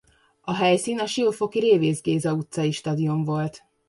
A helyszín a siófoki Révész Géza utcai stadion volt.